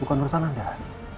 bukan bersalah anda